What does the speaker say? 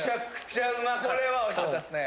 これはおいしかったですね。